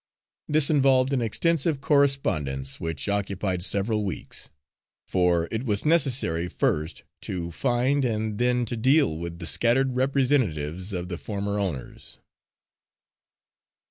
This involved an extensive correspondence, which occupied several weeks. For it was necessary first to find, and then to deal with the scattered representatives of the former owners.